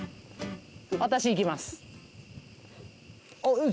私いきます。